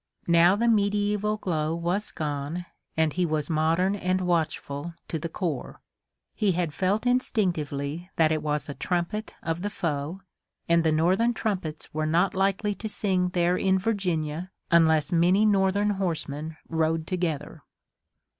Now the medieval glow was gone, and he was modern and watchful to the core. He had felt instinctively that it was a trumpet of the foe, and the Northern trumpets were not likely to sing there in Virginia unless many Northern horsemen rode together.